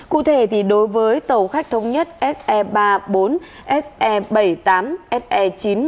cụ thể đối với tàu khách thống nhất se ba mươi bốn se bảy mươi tám se chín